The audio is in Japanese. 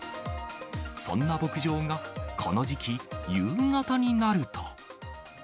そんな牧場が、この時期、夕方になると。